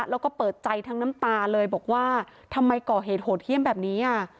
แล้วก็เปิดใจทั้งน้ำตาเลยบอกว่าทำไมก่อเหตุโหดเยี่ยมแบบนี้อ่ะ